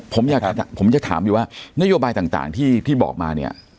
ผมจะถามอยู่ว่านโยบายต่างที่บอกมาเนี่ย